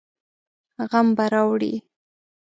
غم به راوړي.